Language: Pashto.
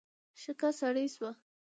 شګه سړه شوه.